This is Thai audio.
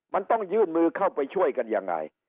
มันต้องยื่นมือเข้าไปช่วยกันยังไง